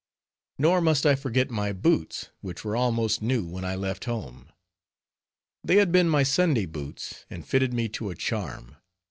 Nor must I forget my boots, which were almost new when I left home. They had been my Sunday boots, and fitted me to a charm.